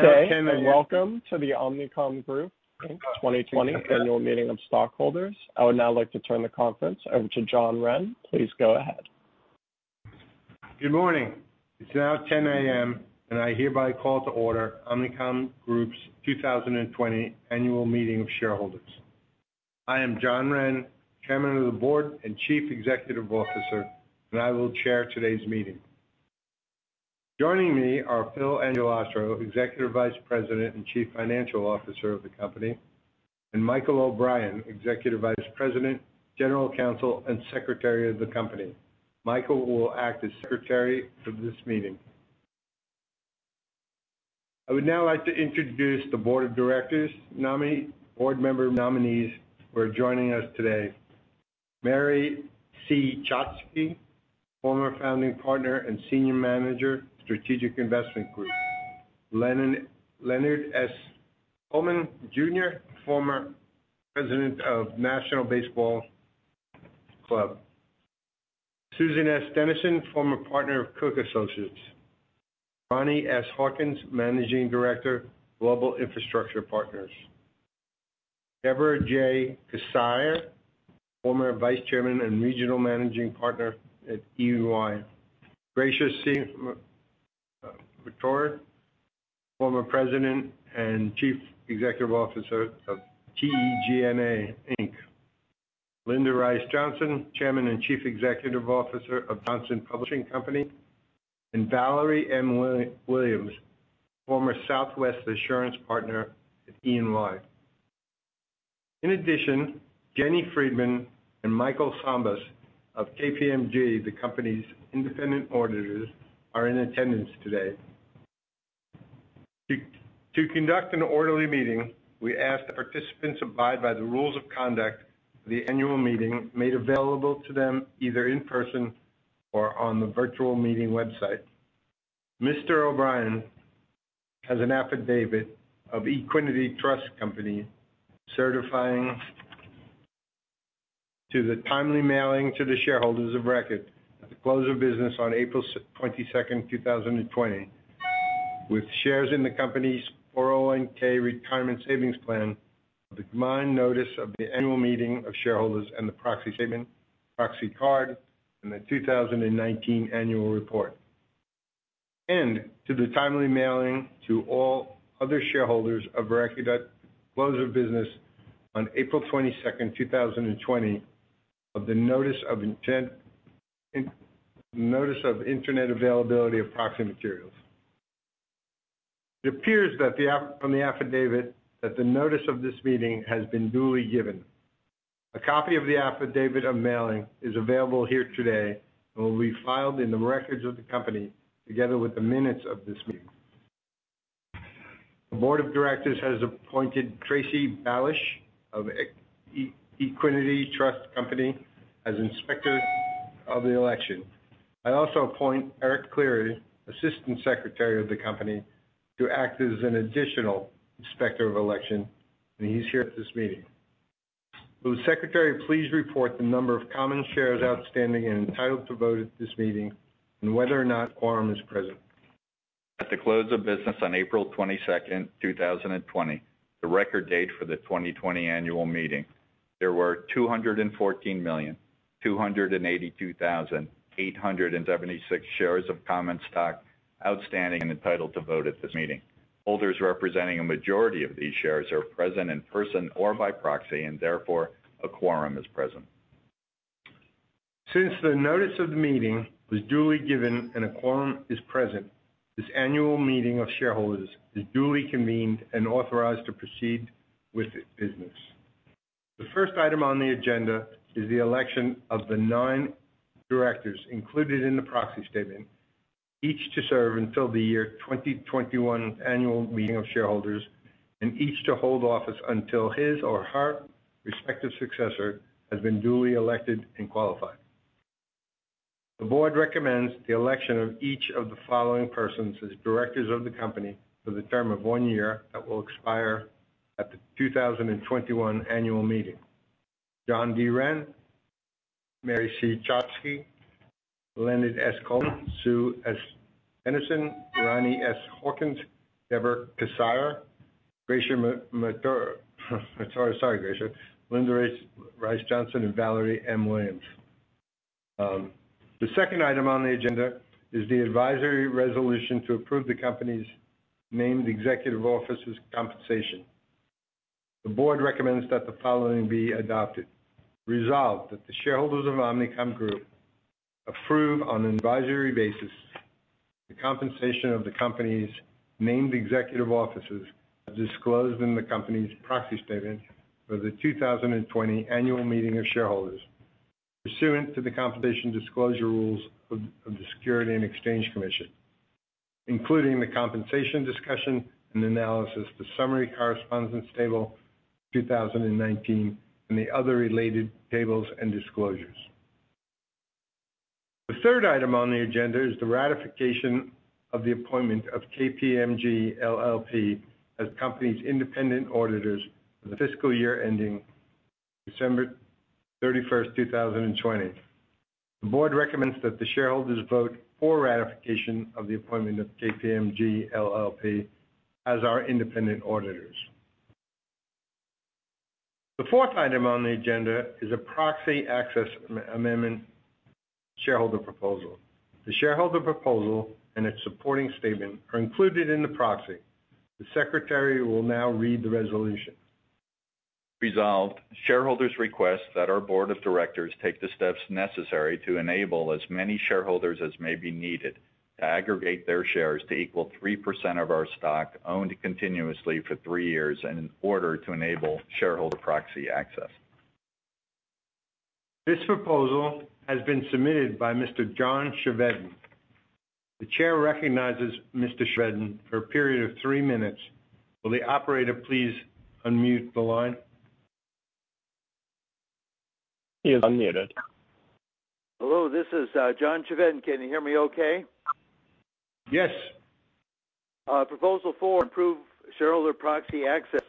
Good day. Good day, and welcome to the Omnicom Group 2020 Annual Meeting of Stockholders. I would now like to turn the conference over to John Wren. Please go ahead. Good morning. It's now 10:00 A.M., and I hereby call to order Omnicom Group's 2020 Annual Meeting of Shareholders. I am John Wren, Chairman of the Board and Chief Executive Officer, and I will chair today's meeting. Joining me are Phil Angelastro, Executive Vice President and Chief Financial Officer of the company, and Michael O'Brien, Executive Vice President, General Counsel, and Secretary of the company. Michael will act as Secretary for this meeting. I would now like to introduce the Board of Directors nominees, Board member nominees who are joining us today: Mary C. Choksi, former founding partner and senior manager, Strategic Investment Group; Leonard S. Coleman, Jr., former president of National League of Professional Baseball Clubs; Susan S. Denison, former partner of Cook Associates; Ronnie S. Hawkins, managing director, Global Infrastructure Partners; Deborah J. Kissire, former vice chairman and regional managing partner at EY; Gracia C. Martore, former President and Chief Executive Officer of TEGNA Inc., Linda Johnson Rice, Chairman and Chief Executive Officer of Johnson Publishing Company, and Valerie M. Williams, former partner at EY. In addition, Jennifer Friedman and Michael Santay of KPMG, the company's independent auditors, are in attendance today. To conduct an orderly meeting, we ask that participants abide by the rules of conduct of the annual meeting made available to them either in person or on the virtual meeting website. Mr. O'Brien has an affidavit of Equiniti Trust Company certifying to the timely mailing to the shareholders of record at the close of business on April 22, 2020, with shares in the company's 401(k) retirement savings plan, the combined notice of the annual meeting of shareholders, and the proxy statement, proxy card, and the 2019 annual report. And to the timely mailing to all other shareholders of record at the close of business on April 22, 2020, of the notice of internet availability of proxy materials. It appears from the affidavit that the notice of this meeting has been duly given. A copy of the affidavit of mailing is available here today and will be filed in the records of the company together with the minutes of this meeting. The Board of Directors has appointed Tracy Ballish of Equiniti Trust Company as inspector of the election. I also appoint Eric Cleary, Assistant Secretary of the company, to act as an additional inspector of election, and he's here at this meeting. Will the secretary please report the number of common shares outstanding and entitled to vote at this meeting and whether or not quorum is present? At the close of business on April 22, 2020, the record date for the 2020 annual meeting, there were 214,282,876 shares of common stock outstanding and entitled to vote at this meeting. Holders representing a majority of these shares are present in person or by proxy, and therefore a quorum is present. Since the notice of the meeting was duly given and a quorum is present, this annual meeting of shareholders is duly convened and authorized to proceed with business. The first item on the agenda is the election of the nine directors included in the proxy statement, each to serve until the year 2021 annual meeting of shareholders and each to hold office until his or her respective successor has been duly elected and qualified. The board recommends the election of each of the following persons as directors of the company for the term of one year that will expire at the 2021 annual meeting: John D. Wren, Mary C. Choksi, Leonard S. Coleman, Jr., Susan S. Denison, Ronnie S. Hawkins, Deborah J. Kissire, Gracia C. Martore, Linda Johnson Rice, and Valerie M. Williams. The second item on the agenda is the advisory resolution to approve the company's named executive officers' compensation. The board recommends that the following be adopted: resolve that the shareholders of Omnicom Group approve on an advisory basis the compensation of the company's named executive officers as disclosed in the company's proxy statement for the 2020 annual meeting of shareholders, pursuant to the compensation disclosure rules of the Securities and Exchange Commission, including the compensation discussion and analysis, the summary compensation table 2019, and the other related tables and disclosures. The third item on the agenda is the ratification of the appointment of KPMG LLP as the company's independent auditors for the fiscal year ending December 31, 2020. The board recommends that the shareholders vote for ratification of the appointment of KPMG LLP as our independent auditors. The fourth item on the agenda is a proxy access amendment shareholder proposal. The shareholder proposal and its supporting statement are included in the proxy. The Secretary will now read the resolution. Resolved. Shareholders request that our board of directors take the steps necessary to enable as many shareholders as may be needed to aggregate their shares to equal 3% of our stock owned continuously for three years in order to enable shareholder proxy access. This proposal has been submitted by Mr. John Chevedden. The chair recognizes Mr. Chevedden for a period of three minutes. Will the operator please unmute the line? He is unmuted. Hello, this is John Chevedden. Can you hear me okay? Yes. Proposal Four: Improve Shareholder Proxy Access.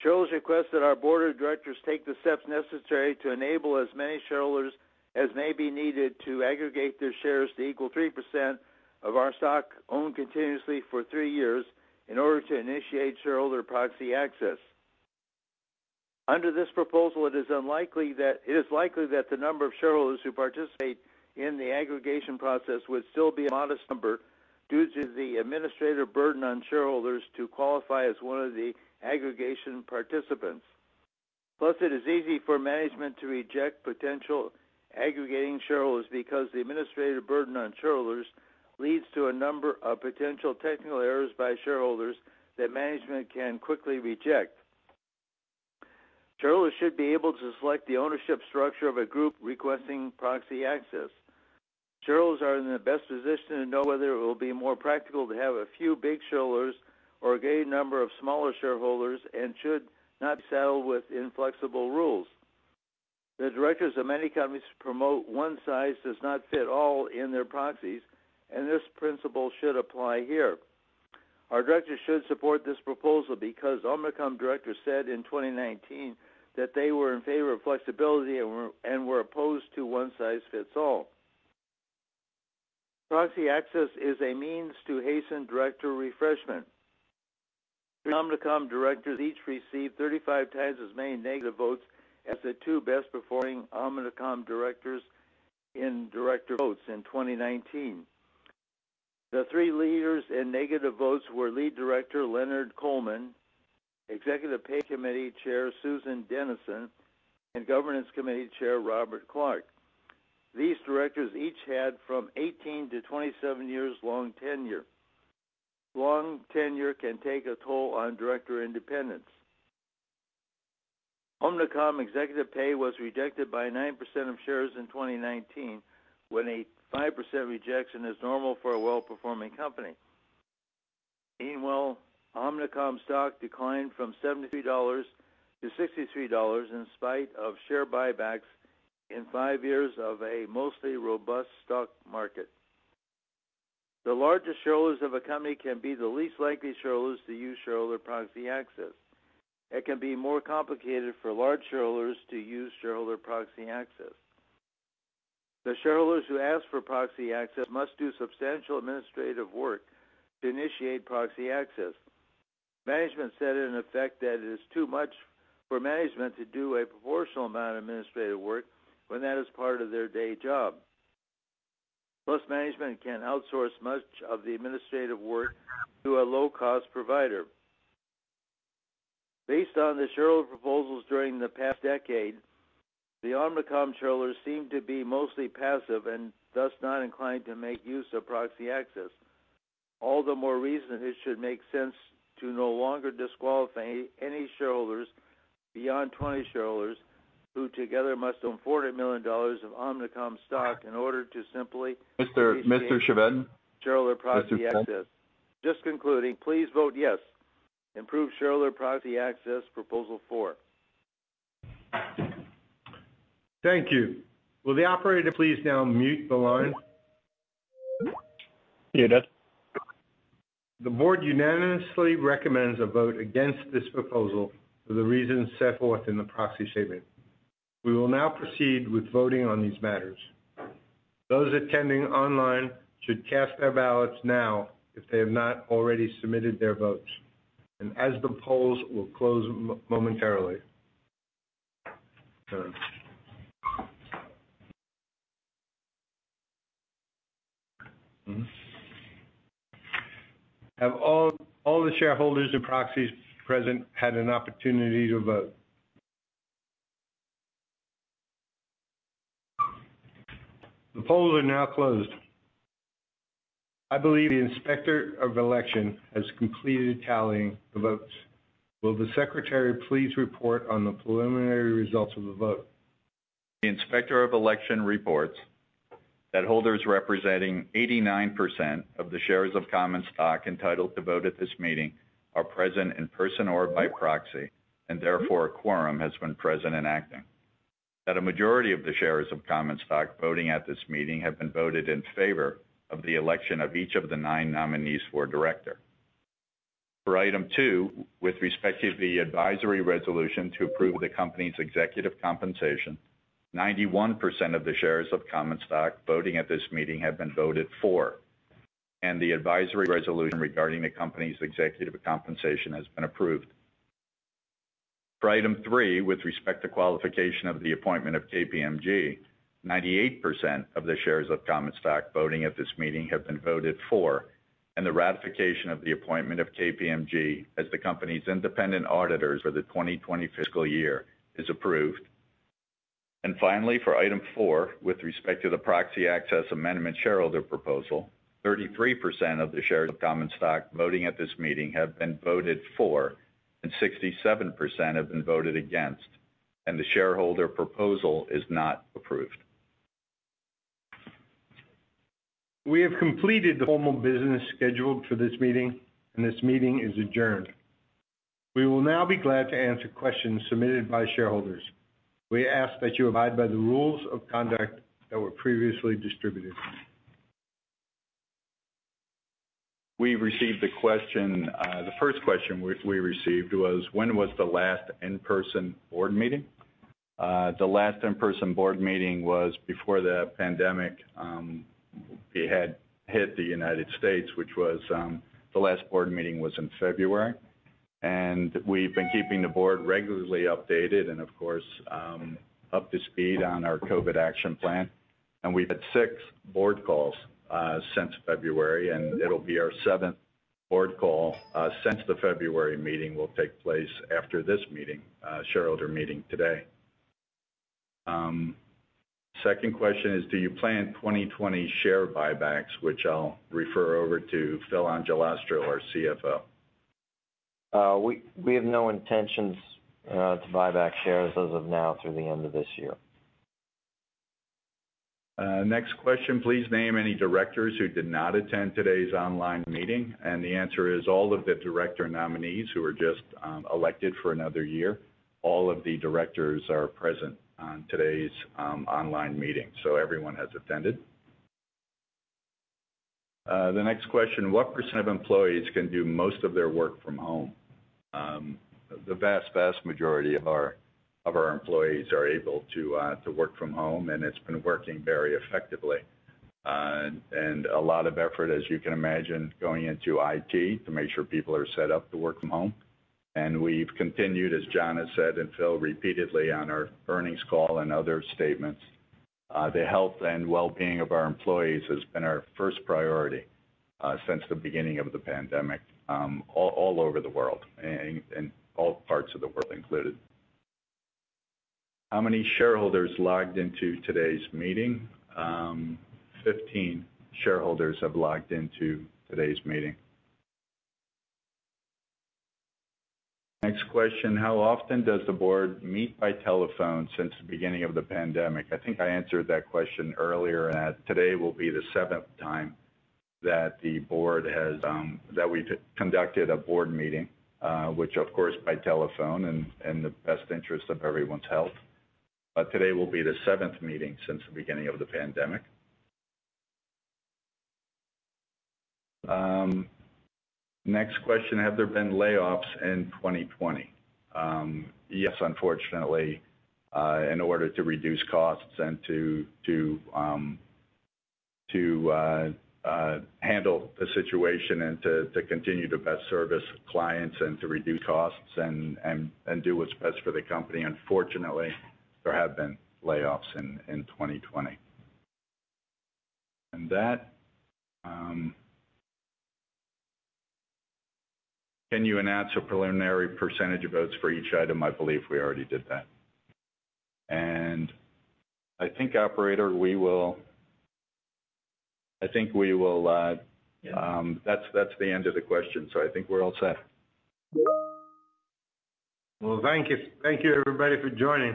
Chair's request that our board of directors take the steps necessary to enable as many shareholders as may be needed to aggregate their shares to equal 3% of our stock owned continuously for three years in order to initiate shareholder proxy access. Under this proposal, it is likely that the number of shareholders who participate in the aggregation process would still be a modest number due to the administrative burden on shareholders to qualify as one of the aggregation participants. Plus, it is easy for management to reject potential aggregating shareholders because the administrative burden on shareholders leads to a number of potential technical errors by shareholders that management can quickly reject. Shareholders should be able to select the ownership structure of a group requesting proxy access. Shareholders are in the best position to know whether it will be more practical to have a few big shareholders or a great number of smaller shareholders and should not be saddled with inflexible rules. The directors of many companies promote one size does not fit all in their proxies, and this principle should apply here. Our directors should support this proposal because Omnicom directors said in 2019 that they were in favor of flexibility and were opposed to one size fits all. Proxy access is a means to hasten director refreshment. Omnicom directors each received 35 times as many negative votes as the two best performing Omnicom directors in director votes in 2019. The three leaders in negative votes were Lead Director Leonard S. Coleman, Jr., Executive Pay Committee Chair Susan S. Denison, and Governance Committee Chair Robert C. Clark. These directors each had from 18-27 years long tenure. Long tenure can take a toll on director independence. Omnicom executive pay was rejected by 9% of shares in 2019 when a 5% rejection is normal for a well-performing company. Meanwhile, Omnicom stock declined from $73 to $63 in spite of share buybacks in five years of a mostly robust stock market. The largest shareholders of a company can be the least likely shareholders to use shareholder proxy access. It can be more complicated for large shareholders to use shareholder proxy access. The shareholders who ask for proxy access must do substantial administrative work to initiate proxy access. Management said in effect that it is too much for management to do a proportional amount of administrative work when that is part of their day job. Plus, management can outsource much of the administrative work to a low-cost provider. Based on the shareholder proposals during the past decade, the Omnicom shareholders seem to be mostly passive and thus not inclined to make use of proxy access. All the more reason it should make sense to no longer disqualify any shareholders beyond 20 shareholders who together must own $400 million of Omnicom stock in order to simply. Mr. Chevette. Shareholder proxy access. Just concluding, please vote yes. Improve shareholder proxy access proposal four. Thank you. Will the operator please now mute the line? Muted. The board unanimously recommends a vote against this proposal for the reasons set forth in the proxy statement. We will now proceed with voting on these matters. Those attending online should cast their ballots now if they have not already submitted their votes, and as the polls will close momentarily. Have all the shareholders and proxies present had an opportunity to vote? The polls are now closed. I believe the inspector of election has completed tallying the votes. Will the secretary please report on the preliminary results of the vote? The Inspector of Election reports that holders representing 89% of the shares of common stock entitled to vote at this meeting are present in person or by proxy, and therefore a quorum has been present and acting, that a majority of the shares of common stock voting at this meeting have been voted in favor of the election of each of the nine nominees for director. For item two, with respect to the advisory resolution to approve the company's executive compensation, 91% of the shares of common stock voting at this meeting have been voted for, and the advisory resolution regarding the company's executive compensation has been approved. For item three, with respect to ratification of the appointment of KPMG, 98% of the shares of common stock voting at this meeting have been voted for, and the ratification of the appointment of KPMG as the company's independent auditors for the 2020 fiscal year is approved, and finally, for item four, with respect to the proxy access amendment shareholder proposal, 33% of the shares of common stock voting at this meeting have been voted for, and 67% have been voted against, and the shareholder proposal is not approved. We have completed the formal business scheduled for this meeting, and this meeting is adjourned. We will now be glad to answer questions submitted by shareholders. We ask that you abide by the rules of conduct that were previously distributed. We received the question. The first question we received was, when was the last in-person board meeting? The last in-person board meeting was before the pandemic had hit the United States, which was the last board meeting was in February. We've been keeping the board regularly updated and, of course, up to speed on our COVID action plan. We've had six board calls since February, and it'll be our seventh board call since the February meeting will take place after this meeting, shareholder meeting today. Second question is, do you plan 2020 share buybacks, which I'll refer over to Phil Angelastro, our CFO? We have no intentions to buy back shares as of now through the end of this year. Next question, please name any directors who did not attend today's online meeting, and the answer is all of the director nominees who were just elected for another year. All of the directors are present on today's online meeting, so everyone has attended. The next question, what % of employees can do most of their work from home? The vast, vast majority of our employees are able to work from home, and it's been working very effectively, and a lot of effort, as you can imagine, going into IT to make sure people are set up to work from home, and we've continued, as John has said and Phil repeatedly on our earnings call and other statements, the health and well-being of our employees has been our first priority since the beginning of the pandemic all over the world and all parts of the world included. How many shareholders logged into today's meeting? 15 shareholders have logged into today's meeting. Next question, how often does the board meet by telephone since the beginning of the pandemic? I think I answered that question earlier in that today will be the seventh time that we've conducted a board meeting, which, of course, by telephone and in the best interest of everyone's health. But today will be the seventh meeting since the beginning of the pandemic. Next question, have there been layoffs in 2020? Yes, unfortunately, in order to reduce costs and to handle the situation and to continue to best service clients and to reduce costs and do what's best for the company. Unfortunately, there have been layoffs in 2020. Can you announce a preliminary percentage of votes for each item? I believe we already did that. And I think, operator, we will. I think we will. That's the end of the question, so I think we're all set. Thank you. Thank you, everybody, for joining.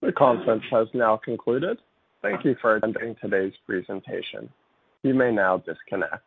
The conference has now concluded. Thank you for attending today's presentation. You may now disconnect.